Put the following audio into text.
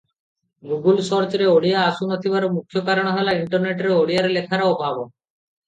Google ସର୍ଚରେ ଓଡ଼ିଆ ଆସୁନଥିବାର ମୁଖ୍ୟ କାରଣ ହେଲା ଇଣ୍ଟରନେଟରେ ଓଡ଼ିଆ ଲେଖାର ଅଭାବ ।